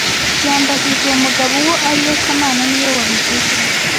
Yambajije uwo mugabo uwo ari we kamana niwe wabivuze